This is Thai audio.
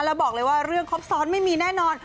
แล้วบอกเลยว่าเรื่องครบซ้อนไม่มีแน่นอน